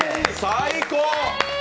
最高！